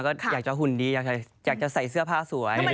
ก็อยากจะหุ่นดีอยากจะใส่เสื้อผ้าสวย